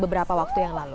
beberapa waktu yang lalu